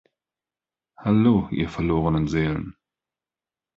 Hallo, ihr verlorenen Seelen!